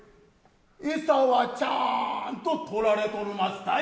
えさはちゃんと取られとるますたい。